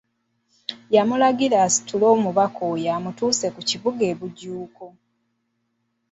Yamulagira asitule omubaka oyo amutuuse ku Kibuga e Bujuuko.